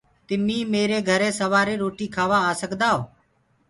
تمينٚ ميري گھري سورآري روٽي کآوآ آ سڪدآ هو۔